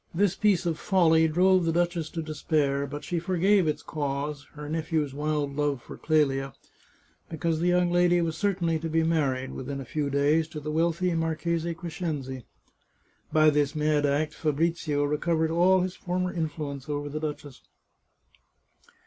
This piece of folly drove the duchess to despair, but she forgave its cause — her nephew's wild love for Clelia — because that young lady was certainly to be married, within a few days, to the wealthy Marchese Crescenzi. By this mad act Fabrizio recovered all his former influence over the duchess.